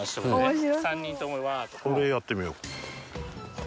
これやってみよう。